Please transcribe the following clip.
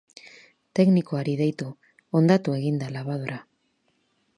Teknikoari deitu, hondatu egin da labadora.